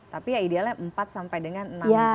tapi ya idealnya empat sampai dengan enam jam